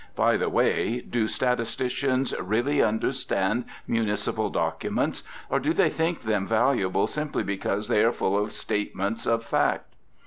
By the way, do statisticians really understand municipal documents, or do they think them valuable simply because they are full of statements of fact?